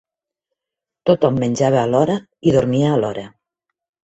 Tot-hom menjava a l'hora, i dormia a l'hora